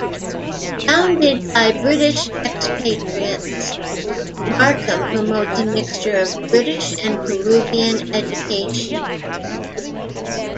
Founded by British expatriates, Markham promotes a mixture of British and Peruvian education.